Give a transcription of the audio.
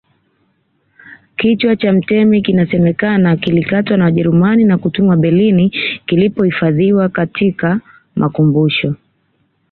Kichwa cha mtemi kinasemekana kilikatwa na Wajerumani na kutumwa Berlin kilipohifadhiwa katika makumbusho